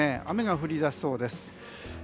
雨が降り出しそうです。